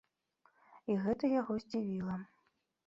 І гэта яго здзівіла.